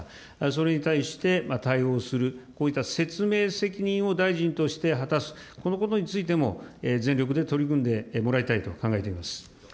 それに対して、対応する、こういった説明責任を大臣として果たす、このことについても全力で取り組んでもらいたいと考えております。